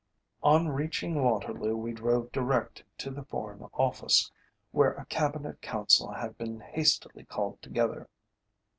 On reaching Waterloo we drove direct to the Foreign Office, where a Cabinet Council had been hastily called together.